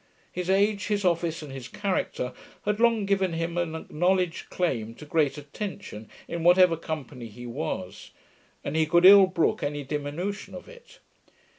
His age, his office, and his character, had long given him an acknowledged claim to great attention, in whatever company he was; and he could ill brook any diminution of it.